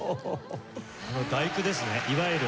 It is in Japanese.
あの『第九』ですねいわゆる。